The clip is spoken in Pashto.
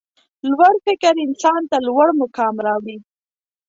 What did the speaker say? لوړ فکر انسان ته لوړ مقام راوړي.